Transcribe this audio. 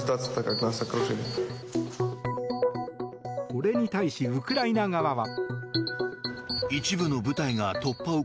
これに対しウクライナ側は。